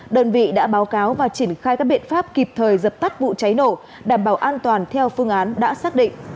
đơn vị đã báo cáo và triển khai các biện pháp kịp thời dập tắt vụ cháy nổ đảm bảo an toàn theo phương án đã xác định